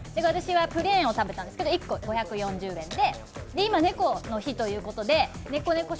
私はプレーンを食べたんですけど、１個５４０円で今、猫の日ということで、ね